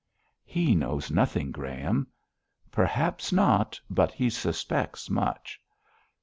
'He knows nothing, Graham.' 'Perhaps not, but he suspects much.'